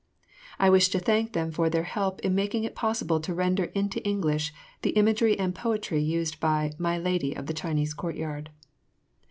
I wish to thank them for their help in making it possible to render into English the imagery and poetry used by "My Lady of the Chinese Courtyard."